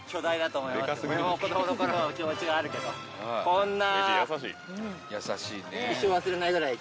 こんな。